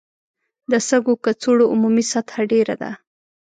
د سږو کڅوړو عمومي سطحه ډېره ده.